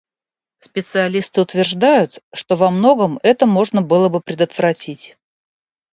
Специалисты утверждают, что во многом это можно было бы предотвратить.